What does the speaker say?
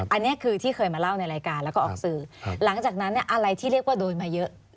อันนี้คือที่เคยมาเล่าในรายการแล้วก็ออกสื่อหลังจากนั้นอะไรที่เรียกว่าโดนมาเยอะ